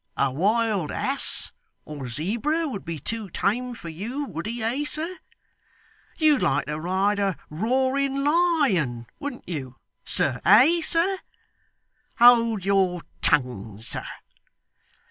A wild ass or zebra would be too tame for you, wouldn't he, eh sir? You'd like to ride a roaring lion, wouldn't you, sir, eh sir? Hold your tongue, sir.